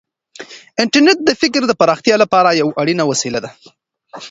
انټرنیټ د فکر د پراختیا لپاره یوه اړینه وسیله ده.